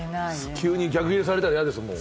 急に逆ギレされら嫌ですもん。